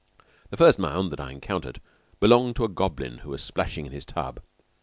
The first mound that I encountered belonged to a goblin who was splashing in his tub.